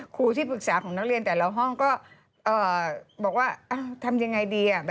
ครูที่ปรึกษาของนักเรียนแต่ละห้องก็บอกว่าทำยังไงดี